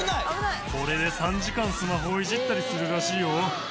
これで３時間スマホをいじったりするらしいよ。